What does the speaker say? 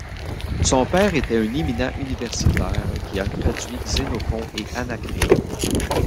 Son père était un éminent universitaire qui a traduit Xenophon et Anacreon.